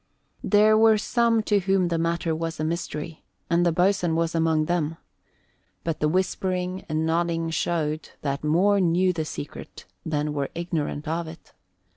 There were some to whom the matter was a mystery, and the boatswain was among them; but the whispering and nodding showed that more knew the secret than were ignorant of it.